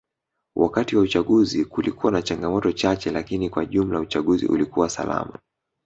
Wakati wa uchaguzi kulikuwa na changamoto chache lakini kwa jumla uchaguzi ulikuwa salama